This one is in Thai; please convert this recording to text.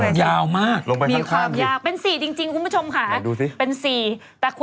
มันยาวมากลงไปข้างมีความยาก